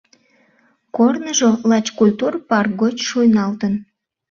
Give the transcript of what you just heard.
Корныжо лач культур парк гоч шуйналтын.